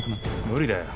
無理だよ。